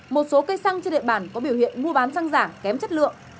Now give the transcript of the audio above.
một số cây xăng trên địa bàn có biểu hiện mua bán xăng giả kém chất lượng